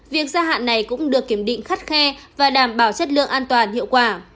việc gia hạn này cũng được kiểm định khắt khe và đảm bảo chất lượng an toàn hiệu quả